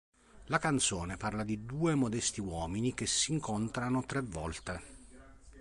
La canzone parla di due modesti uomini che si incontrano tre volte.